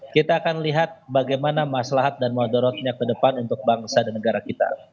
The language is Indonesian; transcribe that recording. kita akan lihat bagaimana maslahat dan moderatnya ke depan untuk bangsa dan negara kita